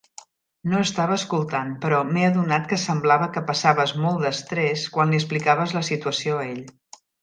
No estava escoltant, però m'he adonat que semblava que passaves molt d'estrès quan li explicaves la situació a ell.